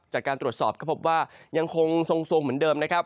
จากการตรวจสอบก็พบว่ายังคงทรงเหมือนเดิมนะครับ